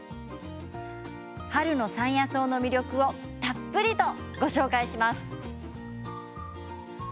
春の山野草の魅力をたっぷりとご紹介します。